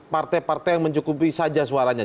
partai partai yang mencukupi saja suaranya